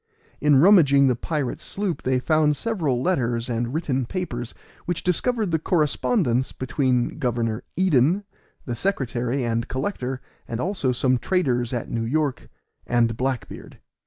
In rummaging the pirate's sloop, they found several letters and written papers, which discovered the correspondence between Governor Eden, the secretary and collector, and also some traders at New York, and Black beard.